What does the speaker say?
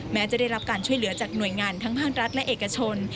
แม้จะได้รับการช่วยเหลือจากหน่วยงานทั้งภาครัฐและเอกชน